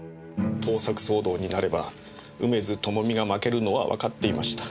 盗作騒動になれば梅津朋美が負けるのはわかっていました。